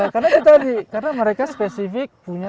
karena mereka spesifik punya